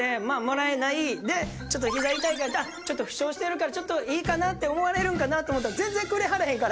ちょっとヒザ痛いちょっと負傷してるからちょっといいかなって思われるんかなと思ったら全然くれはれへんから。